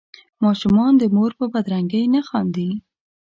ماشومان د مور په بدرنګۍ نه خاندي.